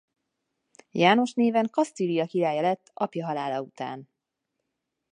János néven Kasztília királya lett apja halála után.